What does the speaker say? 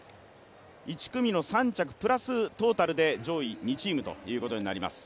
１組の３着プラストータルで上位２チームということになります